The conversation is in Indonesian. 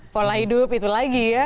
pola hidup itu lagi ya